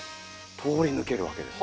通り抜けるわけです。